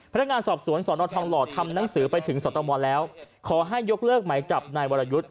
พนักงานสอบสวนสอนอทองหล่อทำหนังสือไปถึงสตมแล้วขอให้ยกเลิกไหมจับนายวรยุทธ์